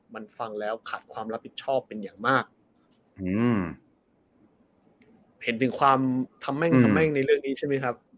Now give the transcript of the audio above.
มันฟังแล้วขาดความรับผิดชอบเป็นอย่างมากอืมเห็นถึงความทำแม่งทำแม่งในเรื่องนี้ใช่ไหมครับ